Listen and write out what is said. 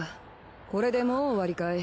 これでもう終わりかい？